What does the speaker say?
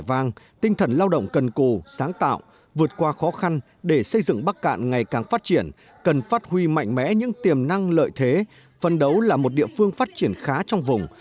vì mạnh mẽ những tiềm năng lợi thế phân đấu là một địa phương phát triển khá trong vùng